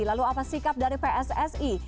lalu apa sikap dari pssi